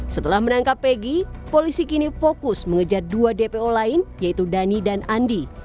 setelah menangkap peggy polisi kini fokus mengejar dua dpo lain yaitu dhani dan andi